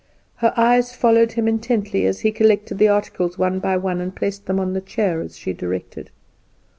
Her eyes followed him intently as he collected the articles one by one, and placed them on the chair as she directed.